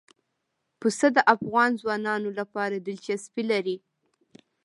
پسه د افغان ځوانانو لپاره دلچسپي لري.